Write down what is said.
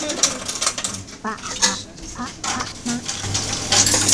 ปะผะพะภะมะ